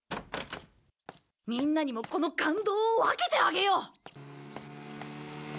みんなにもこの感動を分けてあげよう！